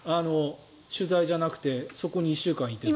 取材じゃなくてそこに２週間いて。